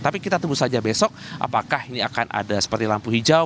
tapi kita tunggu saja besok apakah ini akan ada seperti lampu hijau